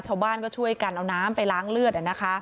ชาวบ้านก็ช่วยกันเอาน้ำไปล้างเลือด